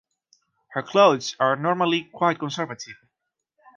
Her clothes are normally quite conservative.